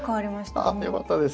あよかったです。